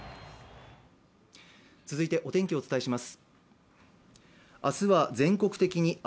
続いて、お天気をお伝えします。